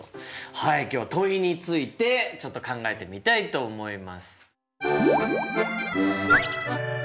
はい今日は問いについてちょっと考えてみたいと思います。